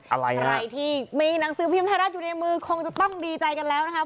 อะไรครับใครที่มีหนังสือพิมพ์ไทยรัฐอยู่ในมือคงจะต้องดีใจกันแล้วนะครับ